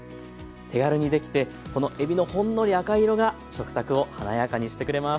手軽にできてこのえびのほんのり赤色が食卓を華やかにしてくれます。